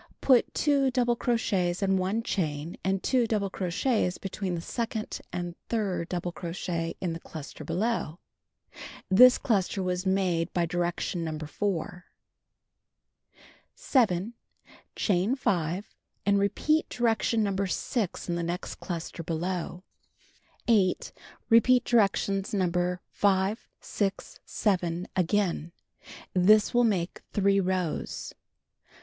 Put 2 double crochets and 1 chain and 2 double crochets between the second and third double crochet in the cluster below. (This cluster was made by direction No. 4 above.) 7. Chain 5, and repeat direction No. 6 in the next cluster below. 8. Repeat directions No. 5, 6, 7, again. This will make 3 rows.